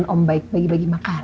om baik bagi bagi makar